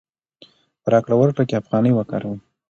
په راکړه ورکړه کې افغانۍ وکاروئ.